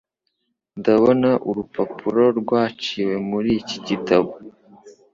Ndabona urupapuro rwaciwe muri iki gitabo